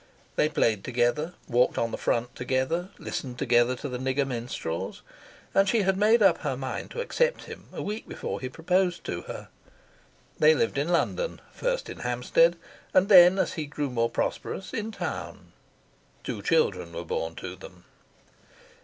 They played together, walked on the front together, listened together to the nigger minstrels; and she had made up her mind to accept him a week before he proposed to her. They lived in London, first in Hampstead, and then, as he grew more prosperous, in town. Two children were born to them.